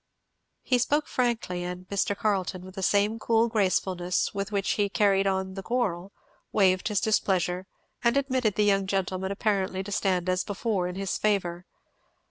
He spoke frankly, and Mr. Carleton, with the same cool gracefulness with which he had carried on the quarrel, waived his displeasure, and admitted the young gentleman apparently to stand as before in his favour.